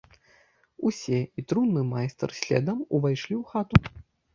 Усе, і трунны майстар следам, увайшлі ў хату.